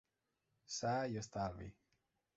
Sa i estalvi.